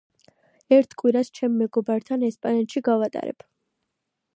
ერთ კვირას, ჩემს მეგობართან ესპანეთში გავატარებ.